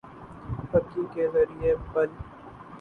پھکی کے زریعے بل